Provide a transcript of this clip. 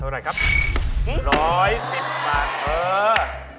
ร้อย๑๐บาท